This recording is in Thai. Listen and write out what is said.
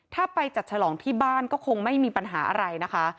ถ้าไปจัดฉลองที่บ้านก็คงไม่มีปัญหาอะไรนะคะ